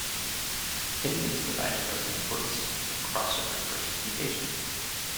Opinion is divided over the importance of crossover versus mutation.